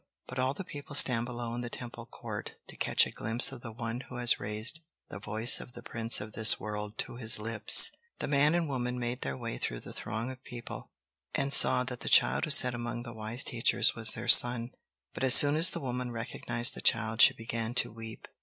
But all the people stand below in the Temple court, to catch a glimpse of the one who has raised the Voice of the Prince of this World to his lips." The man and the woman made their way through the throng of people, and saw that the child who sat among the wise teachers was their son. But as soon as the woman recognized the child she began to weep.